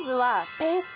ペースト？